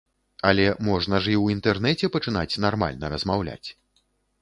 Але можна ж і ў інтэрнэце пачынаць нармальна размаўляць.